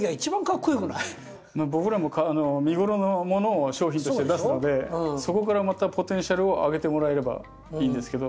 僕らも見頃のものを商品として出すのでそこからまたポテンシャルを上げてもらえればいいんですけど。